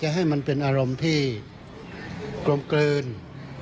ช่วยให้สามารถสัมผัสถึงความเศร้าต่อการระลึกถึงผู้ที่จากไป